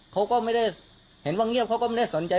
เขาก็ไม่ได้เห็นว่าเงียบเขาก็ไม่ได้สนใจ